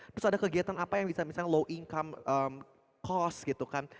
terus ada kegiatan apa yang bisa misalnya low income cost gitu kan